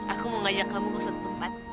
aku mau ngajak kamu ke satu tempat